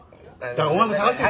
だからお前も探してよ。